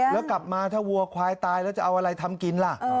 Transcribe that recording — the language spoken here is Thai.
แล้วกลับมาถ้าวัวควายตายแล้วจะเอาอะไรทำกินล่ะ